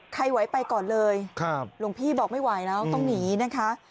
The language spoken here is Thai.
ไหวไปก่อนเลยหลวงพี่บอกไม่ไหวแล้วต้องหนีนะคะ